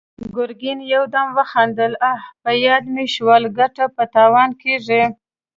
ګرګين يودم وخندل: اه! په ياد مې شول، ګټه په تاوان کېږي!